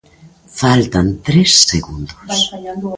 Faltan tres segundos.